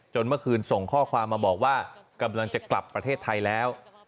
เมื่อคืนส่งข้อความมาบอกว่ากำลังจะกลับประเทศไทยแล้ว